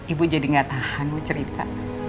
ibu jadi gak tahan bu cerita